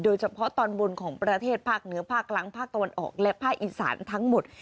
โดยเฉพาะตอนบนของประเทศภาคเหนือภาคล้างภาคตะวันออกและภาคอีสานทั้งหมด